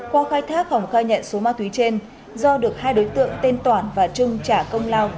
qua khai thác hồng khai nhận số ma túy trên do được hai đối tượng tên toản và trung trả công lao